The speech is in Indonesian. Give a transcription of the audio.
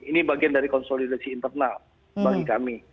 ini bagian dari konsolidasi internal bagi kami